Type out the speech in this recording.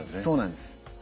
そうなんです。